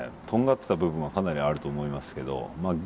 とんがってた部分はかなりあると思いますけどま